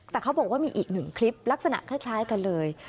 แต่เขาบอกว่ามีอีกหนึ่งคลิปลักษณะคล้ายกันเลย